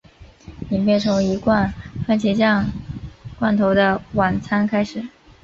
影片从一罐蕃茄酱罐头的晚餐开始。